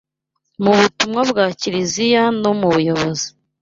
mu butumwa bwa Kiliziya no mu buyobozi